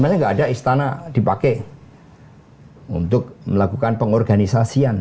sebenarnya nggak ada istana dipakai untuk melakukan pengorganisasian